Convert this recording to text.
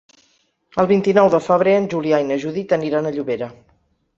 El vint-i-nou de febrer en Julià i na Judit aniran a Llobera.